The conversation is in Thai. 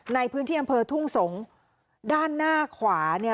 ในพื้นที่อำเภอทุ่งสงศ์ด้านหน้าขวาเนี่ย